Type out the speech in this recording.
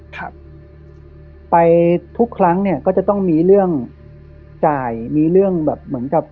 ครับไปทุกครั้งเนี่ยก็จะต้องมีเรื่องจ่ายมีเรื่องแบบเหมือนกับ